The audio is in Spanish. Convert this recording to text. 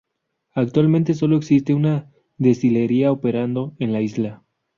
Actualmente solo existe una destilería operando en la isla.